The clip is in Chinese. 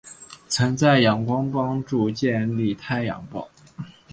曾在仰光帮助建立太阳报。